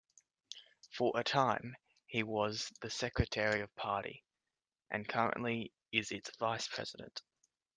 For a time he was the secretary of party, and currently is its vice-president.